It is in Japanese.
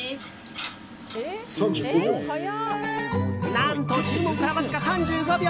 何と、注文からわずか３５秒。